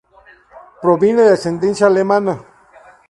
Proviene de ascendencia alemana.